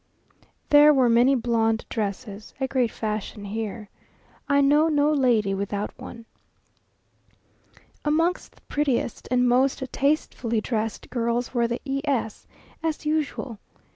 There were many blonde dresses, a great fashion here. I know no lady without one. Amongst the prettiest and most tastefully dressed girls were the E s, as usual.